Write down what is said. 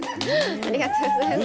ありがとうございます。